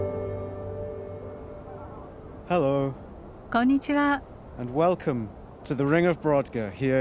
こんにちは。